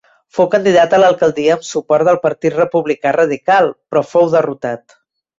Fou candidat a l'alcaldia amb suport del Partit Republicà Radical, però fou derrotat.